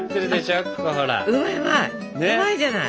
うまいじゃない。